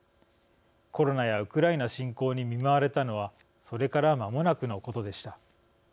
コロナやウクライナ侵攻に見舞われたのはそれからまもなくのことでした。